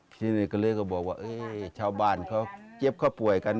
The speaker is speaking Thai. ทีนี้ก็เลยก็บอกว่าชาวบ้านเขาเจี๊ยบเขาป่วยกัน